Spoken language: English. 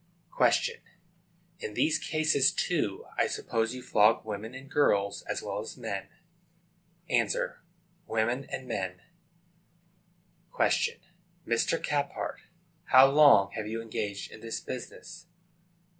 Q. In these cases, too, I suppose you flog women and girls, as well as men. A. Women and men. Q. Mr. Caphart, how long have you been engaged in this business?